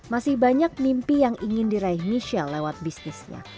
masih banyak mimpi yang ingin diraih michelle lewat bisnisnya